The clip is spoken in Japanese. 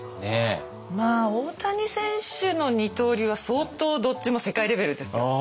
まあ大谷選手の二刀流は相当どっちも世界レベルですよ。